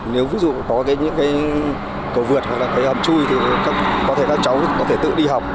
nếu ví dụ có những cái cầu vượt hoặc là cái ấm chui thì có thể các cháu có thể tự đi học